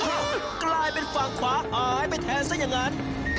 กลายเป็นฝั่งขวาหายไปแทนซะอย่างนั้น